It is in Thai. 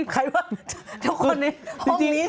ใครว่าทุกคนในจริงนี้